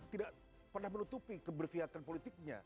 tidak pernah menutupi keberfiatan politiknya